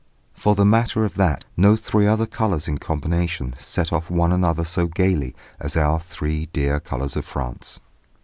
For the matter of that, no three other colours in combination set off one another so gaily as our three dear colours of France.